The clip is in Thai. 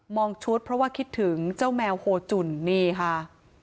องชุดเพราะว่าคิดถึงเจ้าแมวโฮจุ่นนี่ค่ะ